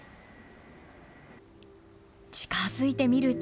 近づいてみると。